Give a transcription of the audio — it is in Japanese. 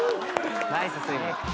ナイススイマー。